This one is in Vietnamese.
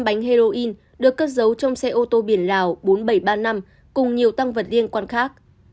ba bánh heroin được cất giấu trong xe ô tô biển lào bốn nghìn bảy trăm ba mươi năm cùng nhiều tăng vật liên quan khác